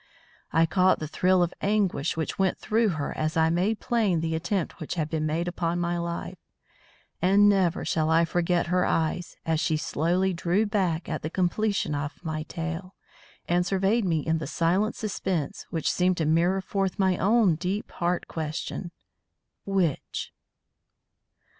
I caught the thrill of anguish which went through her as I made plain the attempt which had been made upon my life, and never shall I forget her eyes as she slowly drew back at the completion of my tale, and surveyed me in the silent suspense which seemed to mirror forth my own deep heart question: _Which?